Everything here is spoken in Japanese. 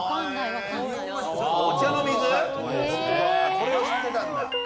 これを知ってたんだ。